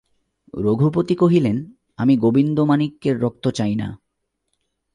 রঘুপতি কহিলেন, আমি গোবিন্দমাণিক্যের রক্ত চাই না।